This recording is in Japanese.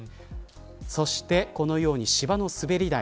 そして、このように芝の滑り台。